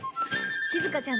しずかちゃん